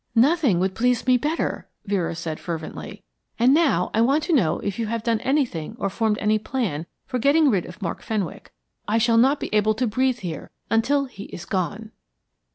"Nothing would please me better," Vera said, fervently. "And now, I want to know if you have done anything or formed any plan for getting rid of Mark Fenwick. I shall not be able to breathe here until he is gone."